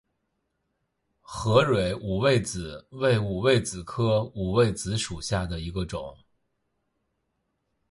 合蕊五味子为五味子科五味子属下的一个种。